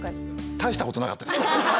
大したことなかったです。